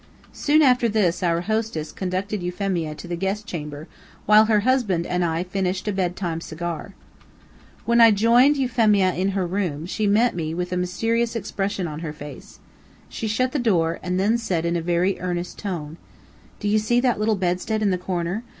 Soon after this our hostess conducted Euphemia to the guest chamber, while her husband and I finished a bed time cigar. When I joined Euphemia in her room, she met me with a mysterious expression on her face. She shut the door, and then said in a very earnest tone: "Do you see that little bedstead in the corner?